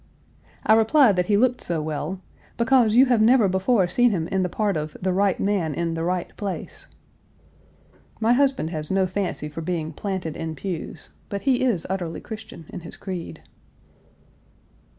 I replied that he looked so well "because you have never before seen him in the part of 'the right man in the right place.' " My husband has no fancy for being planted in pews, but he is utterly Christian in his creed.